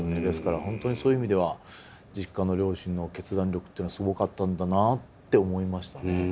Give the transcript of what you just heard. ですから本当にそういう意味では実家の両親の決断力っていうのはすごかったんだなあって思いましたね。